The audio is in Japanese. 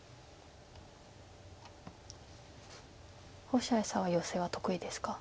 星合さんはヨセは得意ですか？